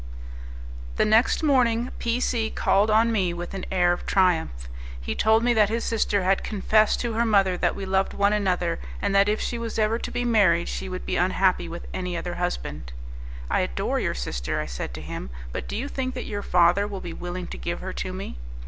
The next morning P C called on me with an air of triumph; he told me that his sister had confessed to her mother that we loved one another, and that if she was ever to be married she would be unhappy with any other husband. "I adore your sister," I said to him; "but do you think that your father will be willing to give her to me?"